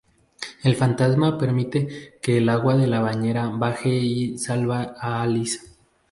El fantasma permite que el agua de la bañera baje y salva a Alice.